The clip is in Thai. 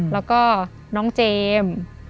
แล้วก็น้องเจมส์